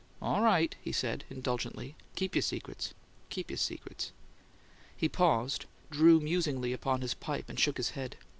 "All right," he said, indulgently. "Keep your secrets; keep your secrets." He paused, drew musingly upon his pipe, and shook his head.